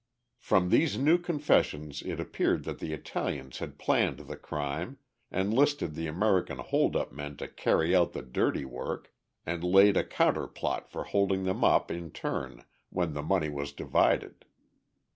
From these new confessions it appeared that the Italians had planned the crime, enlisted the American hold up men to carry out the dirty work, and laid a counter plot for holding them up in turn when the money was divided.